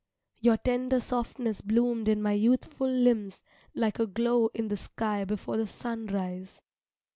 Your tender softness bloomed in my youthful limbs, like a glow in the sky before the sunrise.